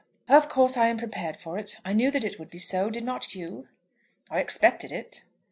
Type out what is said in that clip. "Of course I am prepared for it. I knew that it would be so; did not you?" "I expected it."